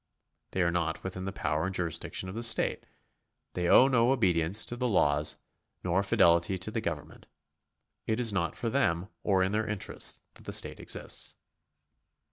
They are not within the power and jurisdiction of the state ; they owe no obedience to the laws, nor fidelity to the government ; it is not for them or in their interests that the state exists.